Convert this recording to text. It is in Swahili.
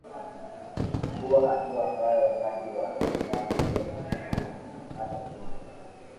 kuwa hatua ambayo wakati wa saddam hussein hatukuwa